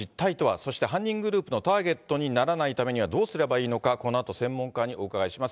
そして犯人グループのターゲットにならないためにはどうすればいいのか、このあと専門家にお伺いします。